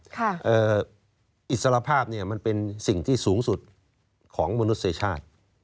ค่ะเอออิสระภาพเนี้ยมันเป็นสิ่งที่สูงสุดของมนุษย์แชท